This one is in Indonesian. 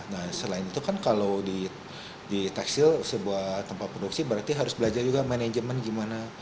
nah selain itu kan kalau di tekstil sebuah tempat produksi berarti harus belajar juga manajemen gimana